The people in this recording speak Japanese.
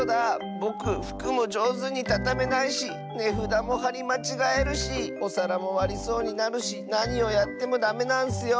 ぼくふくもじょうずにたためないしねふだもはりまちがえるしおさらもわりそうになるしなにをやってもダメなんッスよ！